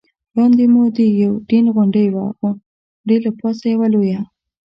وړاندې مو د یوډین غونډۍ وه، د غونډۍ له پاسه یوه لویه.